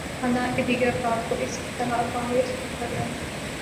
خاندان کے دیگر افراد کو اس طرح باہر رکھا گیا ہے۔